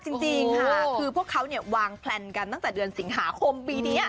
จริงค่ะคือพวกเขาเนี่ยวางแพลนกันตั้งแต่เดือนสิงหาคมปีนี้